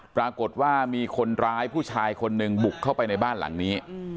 ปรากฏว่ามีคนร้ายผู้ชายคนหนึ่งบุกเข้าไปในบ้านหลังนี้